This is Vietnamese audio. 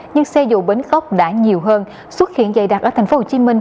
nhưng xe dù bến khóc đã nhiều hơn xuất hiện dày đặc ở tp hcm